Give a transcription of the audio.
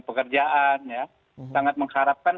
pekerjaan sangat mengharapkan